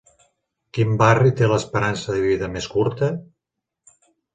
Quin barri té l'esperança de vida més curta?